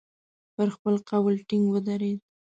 پر خپل قول ټینګ ودرېد.